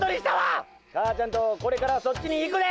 母ちゃんとこれからそっちに行くで！